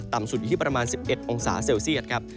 สุดอยู่ที่ประมาณ๑๑องศาเซลเซียตครับ